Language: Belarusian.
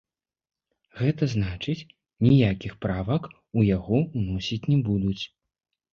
Гэта значыць, ніякіх правак у яго ўносіць не будуць.